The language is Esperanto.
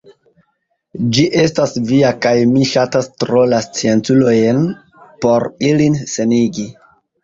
Ĝi estas via, kaj mi ŝatas tro la scienculojn por ilin senigi.